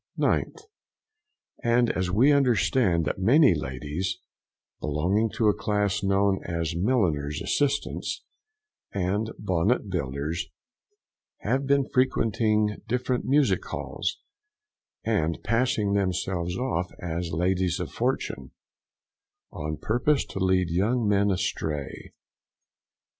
9th. And as we understand that many ladies belonging to a class known as milliners' assistants and bonnet builders, having been frequenting different music halls, and passing themselves off as ladies of fortune, on purpose to lead young men astray.